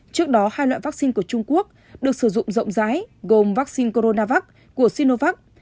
trước đó hai loại vaccine của trung quốc được sử dụng rộng rãi gồm vaccine coronavac của sinovac